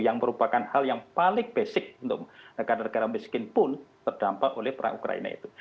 yang merupakan hal yang paling basic untuk negara negara miskin pun terdampak oleh perang ukraina itu